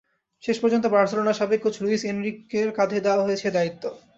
শেষ পর্যন্ত বার্সেলোনার সাবেক কোচ লুইস এনরিকের কাঁধেই দেওয়া হয়েছে এ দায়িত্ব।